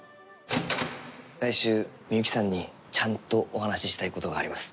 来週、みゆきさんにちゃんとお話ししたいことがあります。